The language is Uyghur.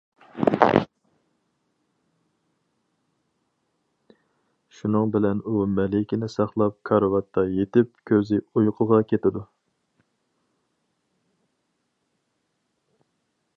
شۇنىڭ بىلەن ئۇ مەلىكىنى ساقلاپ كارىۋاتتا يېتىپ كۆزى ئۇيقۇغا كېتىدۇ.